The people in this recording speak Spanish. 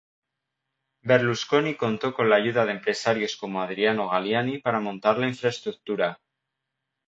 Berlusconi contó con la ayuda de empresarios como Adriano Galliani para montar la infraestructura.